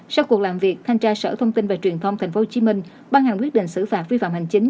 sau cuộc làm việc thanh tra sở thông tin và truyền thông tp hcm ban hành quyết định xử phạt vi phạm hành chính